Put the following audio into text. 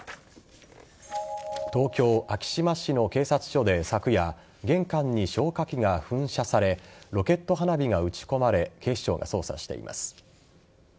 東京・昭島市の警察署で昨夜玄関に消火器が噴射されロケット花火が撃ち込まれ警視庁が捜査しています。